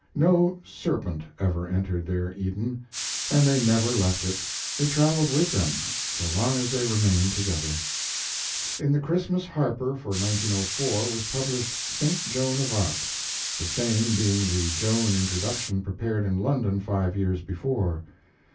No Serpent ever entered their Eden. And they never left it; it traveled with them so long as they remained together. In the Christmas Harper for 1904 was published "Saint Joan of Arc" the same being the Joan introduction prepared in London five years before.